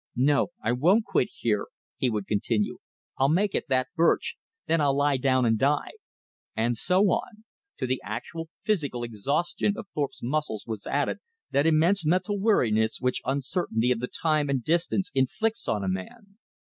"No, I won't quit here," he would continue, "I'll make it that birch. Then I'll lie down and die." And so on. To the actual physical exhaustion of Thorpe's muscles was added that immense mental weariness which uncertainty of the time and distance inflicts on a man.